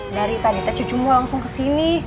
dari tadita cucumu langsung kesini